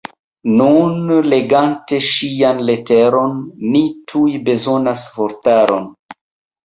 Nun, legante ŝian leteron ni tuj bezonas vortaron.